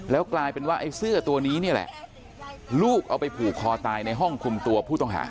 แล้วกลายเป็นว่าไอ้เสื้อตัวนี้นี่แหละลูกเอาไปผูกคอตายในห้องคุมตัวผู้ต้องหา